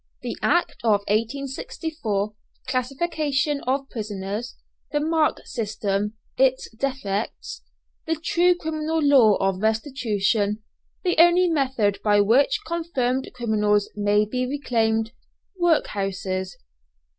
THE ACT OF 1864 CLASSIFICATION OF PRISONERS THE MARK SYSTEM: ITS DEFECTS THE TRUE CRIMINAL LAW OF RESTITUTION THE ONLY METHOD BY WHICH CONFIRMED CRIMINALS MAY BE RECLAIMED WORKHOUSES.